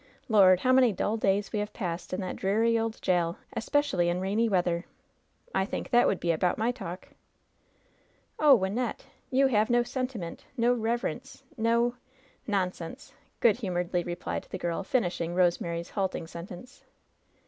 Lord ! how many dull days we have passed in that dreary old jail, especially in rainy weather !' I think that would be about my talL" 22 LOVE'S BITTEREST CUP "Oh, Wynnette I you have no sentiment, no reverence, no "Nonsense !*' good humoredly replied the girl, finish ing? Rosemary's halting sentence.